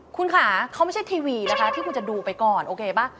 คุณค่ะเขาไม่ใช่ทีวีนะคะที่คุณจะดูไปก่อนโอเคป่ะ